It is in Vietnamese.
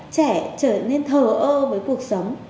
trẻ trở nên thờ ơ với cuộc sống